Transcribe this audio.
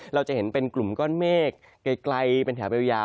เราจะเห็นเป็นกลุ่มก้อนเมฆไกลเป็นแถวยาว